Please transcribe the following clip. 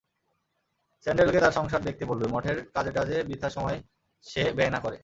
সাণ্ডেলকে তার সংসার দেখতে বলবে, মঠের কাজে-টাজে বৃথা সময় সে ব্যয় না করে।